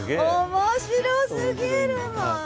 面白すぎるもう。